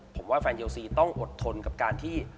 ผมว่าแฟนเลซีต้องอดทนกับการที่